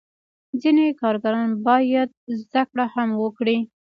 ځینې کارګران باید زده کړه هم وکړي.